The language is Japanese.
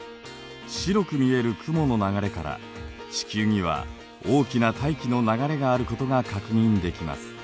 白く見える雲の流れから地球には大きな大気の流れがあることが確認できます。